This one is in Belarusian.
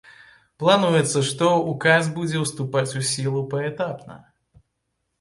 Плануецца, што ўказ будзе ўступаць у сілу паэтапна.